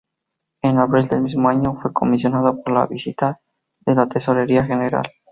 En abril del mismo año fue comisionado para la visita de la Tesorería General.